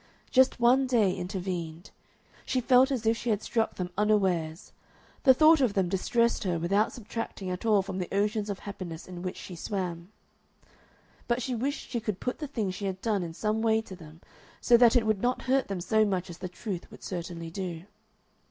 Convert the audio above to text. Just one day intervened. She felt as if she had struck them unawares. The thought of them distressed her without subtracting at all from the oceans of happiness in which she swam. But she wished she could put the thing she had done in some way to them so that it would not hurt them so much as the truth would certainly do.